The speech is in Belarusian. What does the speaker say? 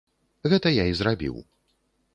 Гэта я і зрабіў.